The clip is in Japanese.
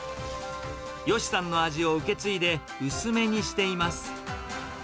ヨシさんの味を受け継いで、薄めにしています。